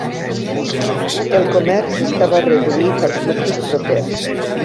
El comerç estava reduït als nuclis propers.